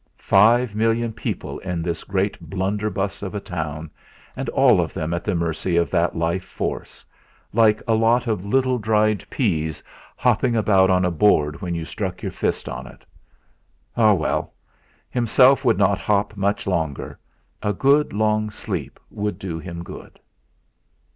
Five million people in this great blunderbuss of a town, and all of them at the mercy of that Life Force, like a lot of little dried peas hopping about on a board when you struck your fist on it. Ah, well! Himself would not hop much longer a good long sleep would do him good!